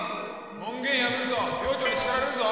門限破ると寮長に叱られるぞ